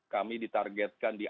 kami ditargetkan di